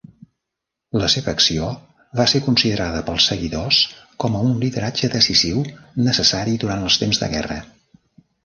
La seva acció va ser considerada pels seguidors com a un lideratge decisiu necessari durant els temps de guerra.